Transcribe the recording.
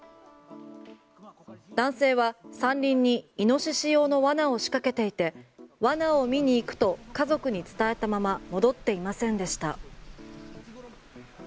男性は山林にイノシシ用の罠を仕掛けていて罠を見に行くと家族に伝えたまま戻っていませんでした。